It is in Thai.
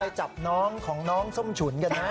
ไปจับน้องของน้องส้มฉุนกันนะ